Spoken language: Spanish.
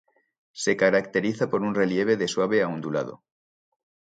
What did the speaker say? Se caracteriza por un relieve de suave a ondulado.